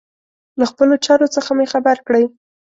له خپلو چارو څخه مي خبر کړئ.